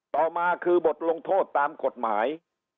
ต่อมาคือบทลงโทษตามกฎหมาย